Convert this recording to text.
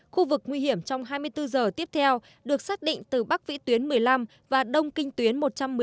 khu vực nguy hiểm trong hai mươi bốn giờ tiếp theo được xác định từ bắc vĩ tuyến một mươi năm và đông kinh tuyến một trăm một mươi hai